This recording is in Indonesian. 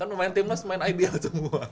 kan pemain timnas pemain ideal semua